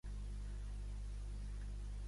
La societat entra a esena.